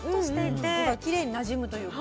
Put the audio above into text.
なんかきれいになじむというか。